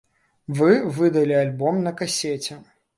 Вы выдалі альбом на касеце.